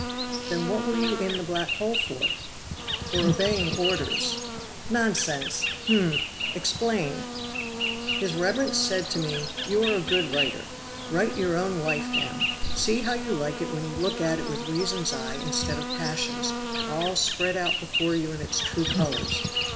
"Then what were you in the black hole for?" "For obeying orders." "Nonsense! hum! Explain." "His reverence said to me, 'You are a good writer; write your own life down. See how you like it when you look at it with reason's eye instead of passion's, all spread out before you in its true colors.